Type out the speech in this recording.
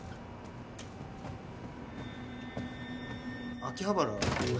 秋葉原の。